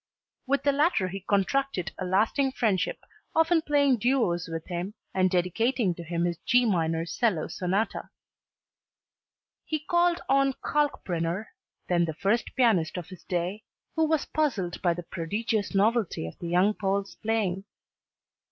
With the latter he contracted a lasting friendship, often playing duos with him and dedicating to him his G minor 'cello Sonata. He called on Kalkbrenner, then the first pianist of his day, who was puzzled by the prodigious novelty of the young Pole's playing.